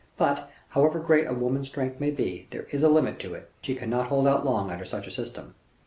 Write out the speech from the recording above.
But, however great a woman's strength may be, there is a limit to it, and she cannot hold out long under such a system.